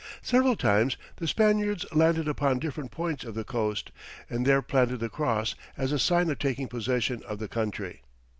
Several times the Spaniards landed upon different points of the coast, and there planted the cross as a sign of taking possession of the country.